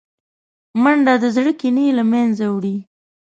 منډه د زړه کینې له منځه وړي